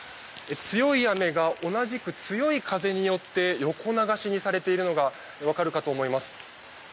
強い雨が、同じく強い風によって横流しにされているのが分かるかと思います。